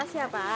mas ya pak